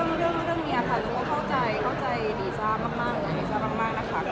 จริงเรื่องนี้ค่ะคุณเข้าใจดีซ่ามากนะคะ